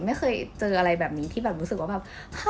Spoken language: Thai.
ไม่เคยเจออะไรแบบนี้ที่แบบรู้สึกว่าแบบ